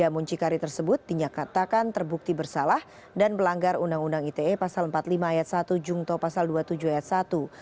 tiga muncikari tersebut dinyatakan terbukti bersalah dan melanggar undang undang ite pasal empat puluh lima ayat satu jungto pasal dua puluh tujuh ayat satu